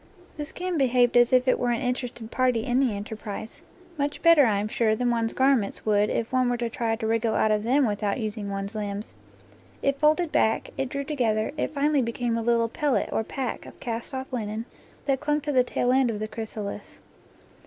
The skin behaved as if it were an in terested party in the enterprise; much better, I am sure, than one's garments would if one were to try to wriggle out of them without using one's limbs. It folded back, it drew together, it finally became a little pellet or pack of cast off linen that clung to the tail end of the chrysalis.